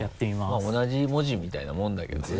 まぁ同じ文字みたいなもんだけどね。